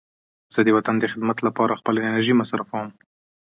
زه د وطن د خدمت لپاره خپله انرژي مصرفوم.